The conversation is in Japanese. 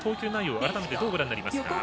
改めて、どうご覧になりますか？